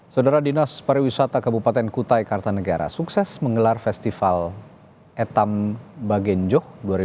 saudara dinas pariwisata kabupaten kutai kartanegara sukses menggelar festival etam bagenjok dua ribu dua puluh